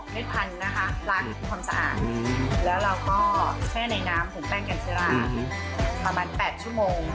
พันธุ์นะคะล้างความสะอาดแล้วเราก็แช่ในน้ำหุงแป้งกันซิราประมาณ๘ชั่วโมง